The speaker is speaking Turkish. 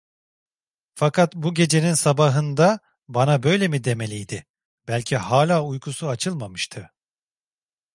Fakat bu gecenin sabahında bana böyle mi demeliydi? Belki hâlâ uykusu açılmamıştı.